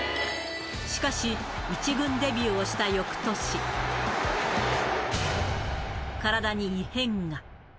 しかし、１軍デビューをしたよくとし、体に異変が。